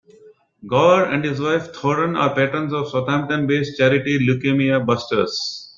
Gower and his wife, Thorunn are Patrons of Southampton-based charity Leukaemia Busters.